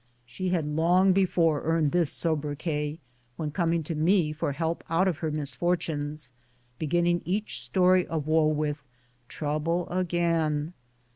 '" She had long before earned this sobriquet, when coming to me for help out of her misfortunes, beginning each story of woe with " Troo ble agin."